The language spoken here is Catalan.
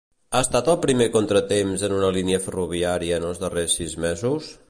Ha estat el primer contratemps en una línia ferroviària en els darrers sis mesos?